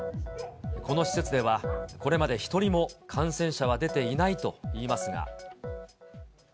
この施設では、これまで１人も感染者は出ていないといいますが。